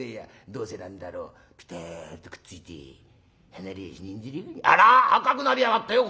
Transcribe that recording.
どうせなんだろうピタッとくっついて離れやしねえんじゃあら赤くなりやがったよ